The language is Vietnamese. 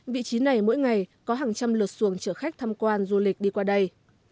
vị trí này mỗi ngày có hàng trăm lượt xuồng chở khách tham quan du lịch đi qua đây